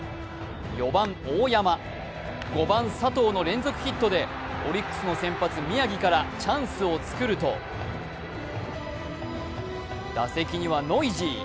４番・大山、５番・佐藤の連続ヒットでオリックスの先発・宮城からチャンスを作ると打席にはノイジー。